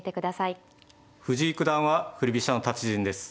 藤井九段は振り飛車の達人です。